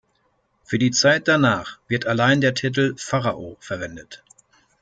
Für die Zeit danach wird allein der Titel „Pharao“ verwendet.